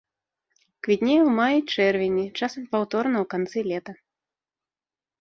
Квітнее ў маі-чэрвені, часам паўторна ў канцы лета.